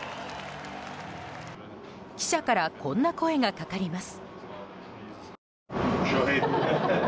記者からこんな声がかかります。